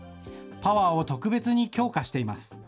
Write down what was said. パワーを特別に強化しています。